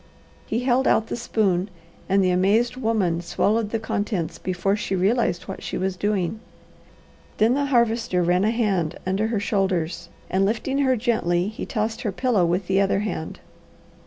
He held out the spoon and the amazed woman swallowed the contents before she realized what she was doing. Then the Harvester ran a hand under her shoulders and lifting her gently he tossed her pillow with the other hand.